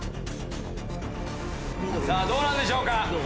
さぁどうなんでしょうか？